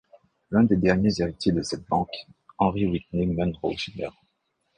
L'un des derniers héritiers de cette banque, Henry Whitney Munroe Jr.